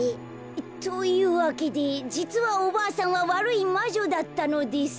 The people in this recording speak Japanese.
というわけでじつはおばあさんはわるいまじょだったのです。